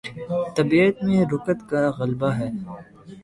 طبیعت میں رقت کا غلبہ ہے۔